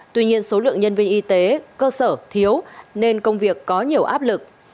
tuy nhiên số lượng nhân viên y tế cơ sở thiếu nên công việc có nhiều áp lực